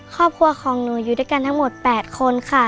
ครอบครัวของหนูอยู่ด้วยกันทั้งหมด๘คนค่ะ